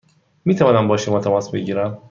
می توانم با شما تماس بگیرم؟